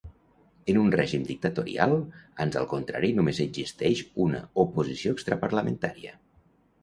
En un règim dictatorial, ans al contrari només existeix una oposició extraparlamentària.